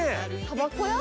たばこ屋？